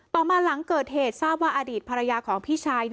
ต่อมาหลังเกิดเหตุทราบว่าอดีตภรรยาของพี่ชาย